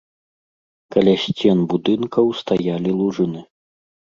Каля сцен будынкаў стаялі лужыны.